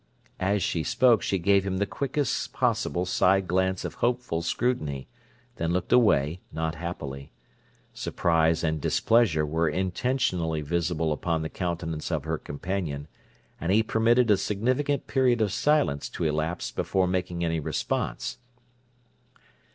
As she spoke, she gave him the quickest possible side glance of hopeful scrutiny; then looked away, not happily. Surprise and displeasure were intentionally visible upon the countenance of her companion; and he permitted a significant period of silence to elapse before making any response.